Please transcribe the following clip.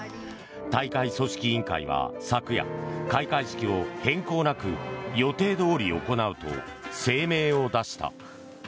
大会組織委員会は昨夜開会式を変更なく予定どおり行うと声明を出した。